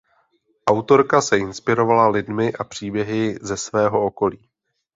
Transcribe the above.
Autorka se inspirovala lidmi a příběhy ze svého okolí.